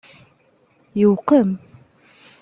Yewqem!